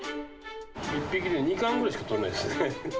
１匹で２貫ぐらいしか取れないですよね。